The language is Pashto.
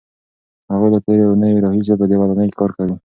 هغوی له تېرې اوونۍ راهیسې په دې ودانۍ کار کوي.